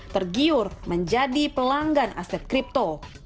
tergiur menjadi pelanggan aset kripto